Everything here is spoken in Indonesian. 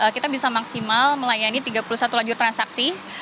kita melayani tiga puluh satu lajur transaksi